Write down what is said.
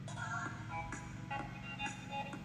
遇台风时仅内泊地可供停泊渔船。